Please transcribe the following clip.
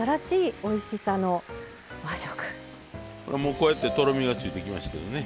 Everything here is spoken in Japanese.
こうやってとろみがついてきましたけどね。